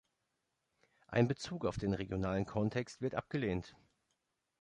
Ein Bezug auf den regionalen Kontext wird abgelehnt.